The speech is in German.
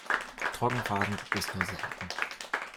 Trockenphasen gibt es nur selten.